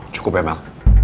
cukup ya mel